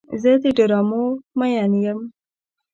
زه د ډرامو مین یم.